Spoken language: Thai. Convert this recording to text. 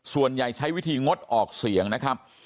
ส่วนใหญ่ใช้วิธีงดออกเสียงนะครับ